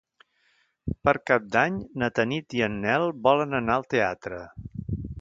Per Cap d'Any na Tanit i en Nel volen anar al teatre.